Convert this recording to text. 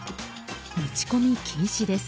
持ち込み禁止です。